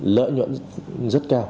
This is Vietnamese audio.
lợi nhuận rất cao